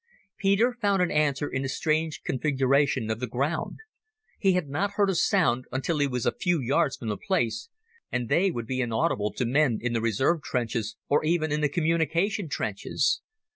Peter found an answer in the strange configuration of the ground. He had not heard a sound until he was a few yards from the place, and they would be inaudible to men in the reserve trenches and even in the communication trenches.